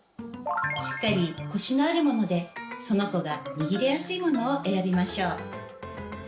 しっかりコシのあるものでその子が握りやすいものを選びましょう。